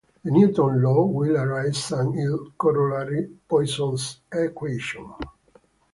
The Newton law will arise and its corollary Poisson's equation.